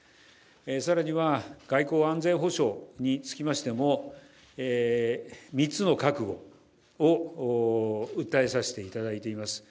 更には、外交・安全保障につきましても３つの覚悟を訴えさせていただいています。